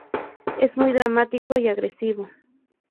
Es muy dramático y agresivo".